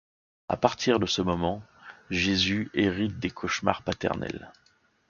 À partir de ce moment, Jésus hérite des cauchemars paternels.